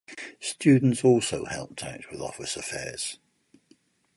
Students also helped out with office affairs.